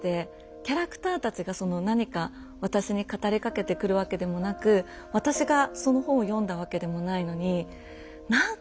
キャラクターたちがその何か私に語りかけてくるわけでもなく私がその本を読んだわけでもないのに何かその本燃やしたくなくて。